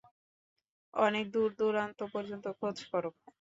অনেক দূর-দূরান্ত পর্যন্ত খোঁজ করো।